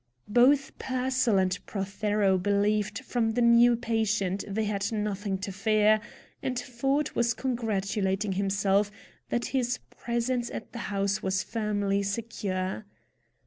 Both Pearsall and Prothero believed from the new patient they had nothing to fear, and Ford was congratulating himself that his presence at the house was firmly secure.